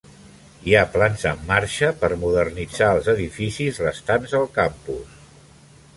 Hi ha plans en marxa per modernitzar els edificis restants al campus.